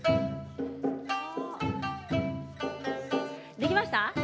できました？